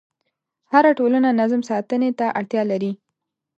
هره ټولنه نظم ساتنې ته اړتیا لري.